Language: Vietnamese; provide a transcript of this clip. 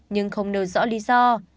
nhưng không nêu rõ lý do